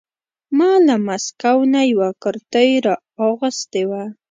ما له مسکو نه یوه کرتۍ را اغوستې وه.